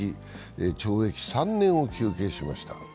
懲役３年を求刑しました。